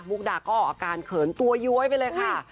ดาก็ออกอาการเขินตัวย้วยไปเลยค่ะ